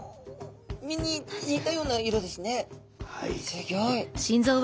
すギョい。